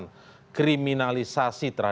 ada petisi yang menolak pasal ini karena rentan